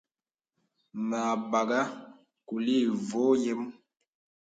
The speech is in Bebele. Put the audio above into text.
Mə a bagha kùlì ìvɔ̄ɔ̄ yəm.